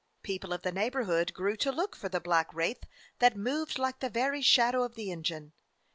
People of the neighborhood grew to look for the black wraith that moved like the very shadow of the engine.